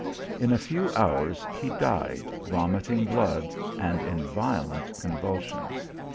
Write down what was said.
In a few hours he died vomiting blood, and in violent convulsions.